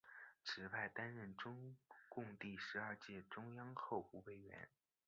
此外担任中共第十二届中央候补委员。